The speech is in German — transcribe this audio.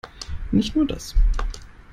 Nicht nur das.